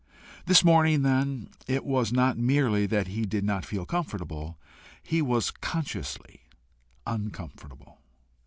This morning, then, it was not merely that he did not feel comfortable: he was consciously uncomfortable.